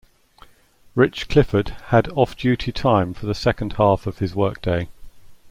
Rich Clifford had off-duty time for the second half of his work day.